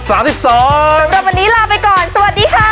สำหรับวันนี้ลาไปก่อนสวัสดีค่ะ